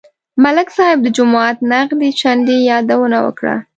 ملک صاحب د جومات نغدې چندې یادونه وکړه.